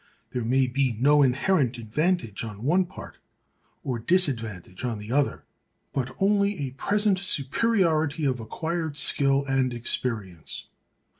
There may be no inherent advantage on one part, or disadvantage on the other, but only a present superiority of acquired skill and experience.